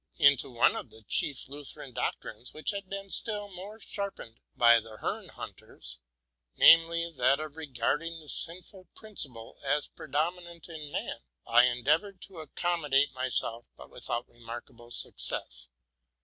Into one of the chief Lutheran doctrines, which has been still more sharpened by the Hernhutters, — namely, that of regarding the sinful principle as predominant in man, —I endeavored to accommodate myself, but without remarkable success.